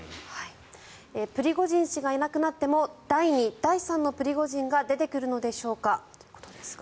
プリゴジン氏がいなくなっても第２、第３のプリゴジンが出てくるのでしょうかということですが。